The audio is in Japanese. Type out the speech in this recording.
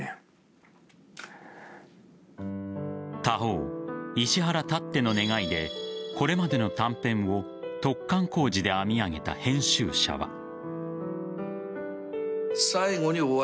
他方、石原たっての願いでこれまでの短編を突貫工事で編み上げた編集者は。